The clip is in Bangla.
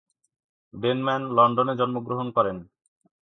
ডেনম্যান লন্ডনে জন্মগ্রহণ করেন।